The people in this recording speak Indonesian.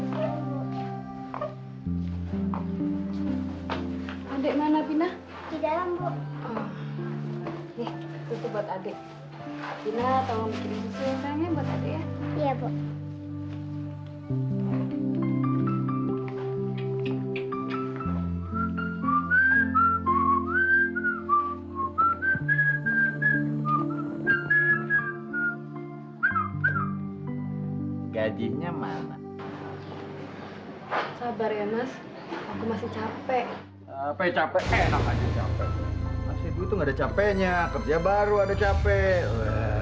sabar ya mas aku masih capek capek enak aja capek itu ada capeknya kerja baru ada capek